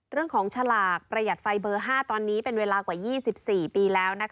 ฉลากประหยัดไฟเบอร์๕ตอนนี้เป็นเวลากว่า๒๔ปีแล้ว